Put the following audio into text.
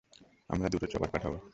আমরা দুটো চপার পাঠাব।